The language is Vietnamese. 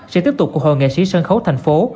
sẽ tiếp tục ủng hộ nghệ sĩ sân khấu thành phố